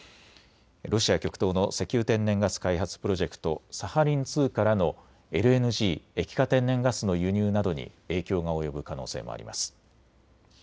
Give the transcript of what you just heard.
ロシア極東の石油・天然ガス開発プロジェクトサハリン２からのＬＮＧ・液化天然ガスの輸入などに影響が及ぶ可能性もあります。